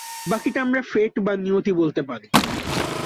বাকিটা আমরা ফেট বা নিয়তি বলতে পারি।